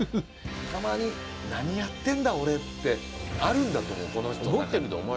たまに「何やってんだ俺」ってあるんだと思う